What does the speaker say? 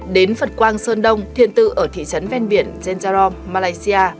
đến phật quang sơn đông thiên tự ở thị trấn ven biển jenjarom malaysia